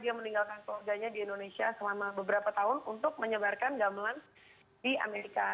dia meninggalkan keluarganya di indonesia selama beberapa tahun untuk menyebarkan gamelan di amerika